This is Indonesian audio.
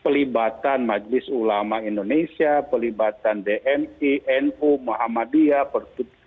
pelibatan majlis ulama indonesia pelibatan dni nu muhammadiyah